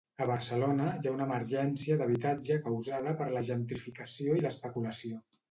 A Barcelona hi ha una emergència d'habitatge causada per la gentrificació i l'especulació.